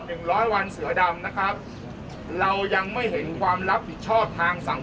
หนึ่งร้อยวันเสือดำนะครับเรายังไม่เห็นความรับผิดชอบทางสังคม